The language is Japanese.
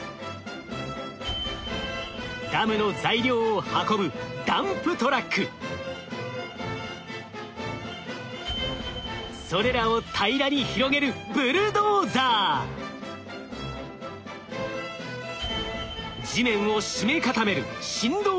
ダムの材料を運ぶそれらを平らに広げる地面を締め固める